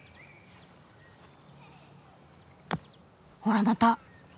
ほらまた。